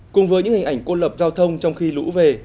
cùng với những hình ảnh cô lập giao thông trong khi lũ về